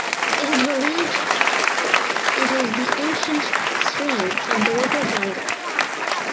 It is believed it is the ancient stream of the river Ganga.